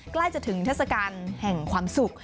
ใกล้จะถึงเทศกาลแห่งความสุข